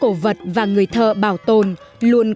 giữa cổ vật và người thợ bảo tồn luôn có một mối nhân duyên kỳ lạ